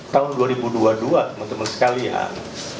tahun dua ribu dua puluh dua teman teman sekalian